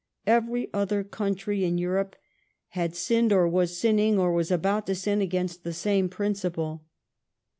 Every other country in Europe had sinned, or was sinning, or was about to sin against the same principle.